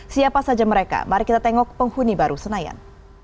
siapa saja mereka mari kita tengok penghuni baru senayan